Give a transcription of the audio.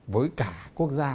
với cả quốc gia